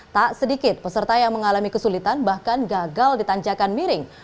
tak sedikit peserta yang mengalami kesulitan bahkan gagal ditanjakan miring